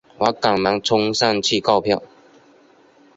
我赶忙冲上去购票